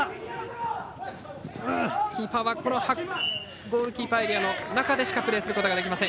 キーパーはゴールキーパーエリアの中でしかプレーすることができません。